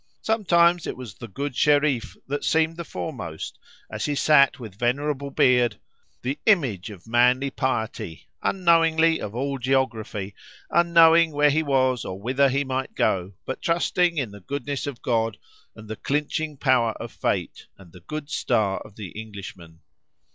Sometimes it was the good Shereef that seemed the foremost, as he sat with venerable beard the image of manly piety—unknowing of all geography, unknowing where he was or whither he might go, but trusting in the goodness of God and the clinching power of fate and the good star of the Englishman.